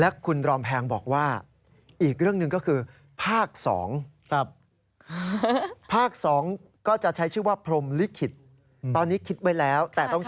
คุณรอมแพงบอกว่าอีกเรื่องหนึ่งก็คือภาค๒